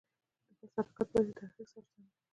د بس حرکت باید د ترافیک سره سم وي.